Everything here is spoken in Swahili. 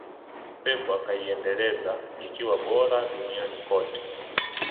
Pep akaiendeleza ikawa bora duniani kote